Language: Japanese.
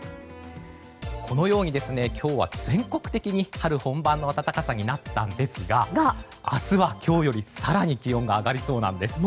このように、今日は全国的に春本番の暖かさになったんですが明日は今日より更に気温が上がりそうなんです。